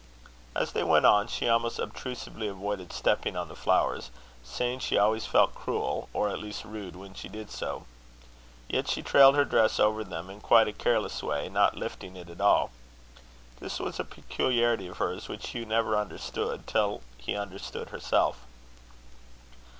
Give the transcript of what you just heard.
As they went on, she almost obtrusively avoided stepping on the flowers, saying she almost felt cruel, or at least rude, when she did so. Yet she trailed her dress over them in quite a careless way, not lifting it at all. This was a peculiarity of hers, which Hugh never understood till he understood herself.